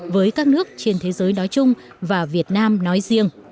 với các nước trên thế giới nói chung và việt nam nói riêng